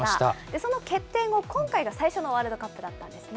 その決定後、今回が最初のワールドカップだったんですね。